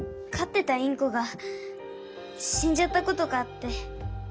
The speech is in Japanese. てたインコがしんじゃったことがあって。